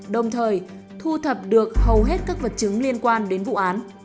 đồng thời thu thập được hầu hết các vật chứng liên quan đến vụ án